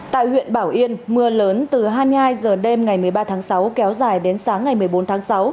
tại huyện bảo yên mưa lớn từ hai mươi hai h đêm ngày một mươi ba tháng sáu kéo dài đến sáng ngày một mươi bốn tháng sáu